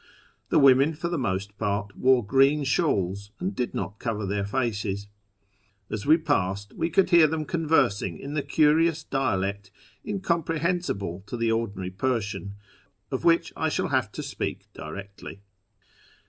The women for the most part wore green shawls and did not cover their faces. As we passed we could hear them convers ing in the curious dialect, incomprehensible to tlie ordinary Persian, of which I shall have to speak directly.